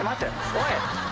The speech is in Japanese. おい！